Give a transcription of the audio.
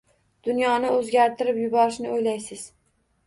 Dunyoni o‘zgartirib yuborishni o‘ylaysiz.